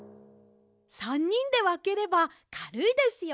３にんでわければかるいですよ。